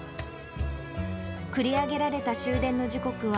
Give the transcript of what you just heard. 繰り上げられた終電の時刻は、